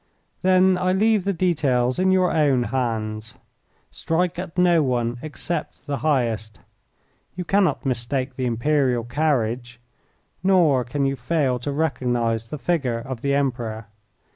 "Then I leave the details in your own hands. Strike at no one except the highest. You cannot mistake the Imperial carriage, nor can you fail to recognise the figure of the Emperor.